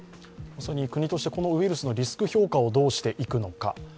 国として、ウイルスのリスク評価をどうしていくのか。